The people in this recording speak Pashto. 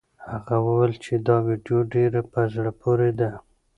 هغه وویل چې دا ویډیو ډېره په زړه پورې ده.